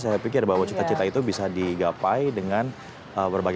saya pikir bahwa cita cita itu bisa digapai dengan berbagai